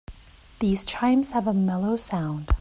These chimes have a mellow sound.